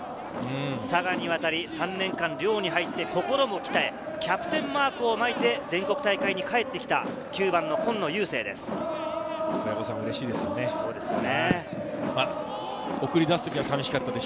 佐賀に渡り３年間、寮に入って、心を鍛え、キャプテンマークを巻いて全国大会に帰ってきた９番の今野友聖です。